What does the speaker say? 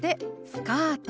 「スカート」。